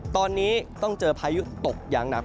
ตอนนี้ต้องเจอพายุตกอย่างหนัก